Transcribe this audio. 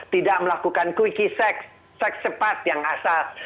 tidak melakukan quickie seks seks cepat yang asal